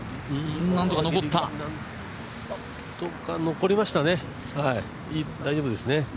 残りましたね大丈夫ですね。